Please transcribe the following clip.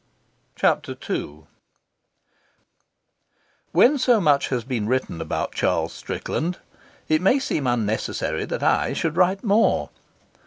Chapter II When so much has been written about Charles Strickland, it may seem unnecessary that I should write more.